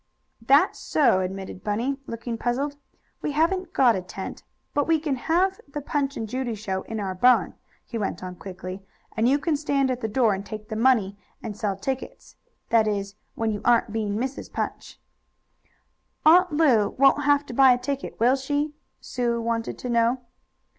"That's so," admitted Bunny, looking puzzled, "We haven't got a tent. But we can have the Punch and Judy show in our barn," he went on quickly, "and you can stand at the door and take the money, and sell tickets that is, when you aren't being Mrs. Punch." "Aunt Lu won't have to buy a ticket, will she?" Sue wanted to know.